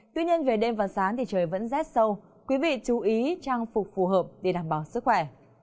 tuy nhiên về đêm và sáng thì trời vẫn rét sâu quý vị chú ý trang phục phù hợp để đảm bảo sức khỏe